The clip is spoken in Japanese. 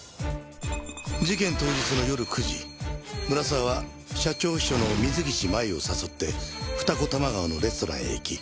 事件当日の夜９時村沢は社長秘書の水岸麻衣を誘って二子玉川のレストランへ行き。